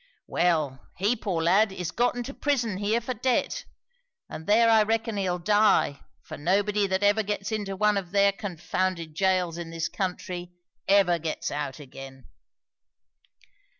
'"Well; he, poor lad, is got into prison here for debt, and there I reckon he'll die; for nobody that ever gets into one of their confounded jails in this country, ever gets out again."